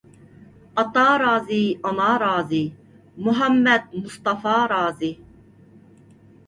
ئاتا رازى، ئانا رازى، مۇھەممەد مۇستافا رازى.